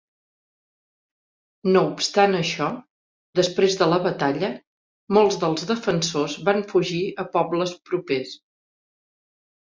No obstant això, després de la batalla, molts dels defensors van fugir a pobles propers.